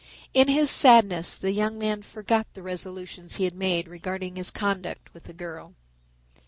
In his sadness the young man forgot the resolutions he had made regarding his conduct with the girl.